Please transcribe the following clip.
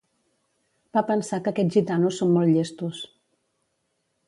Va pensar que aquests gitanos són molt llestos.